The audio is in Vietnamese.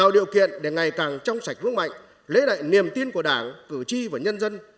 điều kiện để ngày càng trong sạch vững mạnh lấy lại niềm tin của đảng cử tri và nhân dân